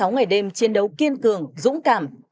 năm mươi sáu ngày đêm chiến đấu kiên cường dũng cảm